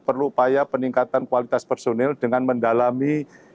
perlu upaya peningkatan kualitas personil dengan mendalami